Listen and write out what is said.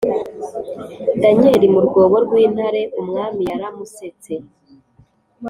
Danyeli mu rwobo rw intare Umwami yaramusetse